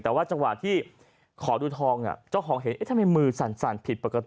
แต่ว่าจังหวะที่ขอดูทองเจ้าของเห็นเอ๊ะทำไมมือสั่นผิดปกติ